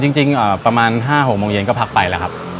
จริงของแบบประมาณ๕๖โมงเย็นก็พักไปเลยครับ